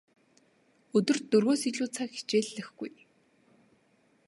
Өдөрт дөрвөөс илүү цаг хичээллэхгүй.